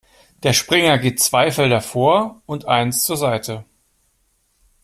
Der Springer geht zwei Felder vor und eins zur Seite.